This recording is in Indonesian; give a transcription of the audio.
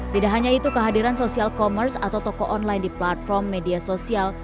tidak hanya itu kehadiran sosial commerce atau toko online di platform media sosial